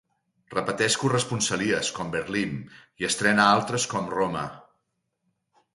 Repeteix corresponsalies, com Berlín, i estrena altres, com Roma.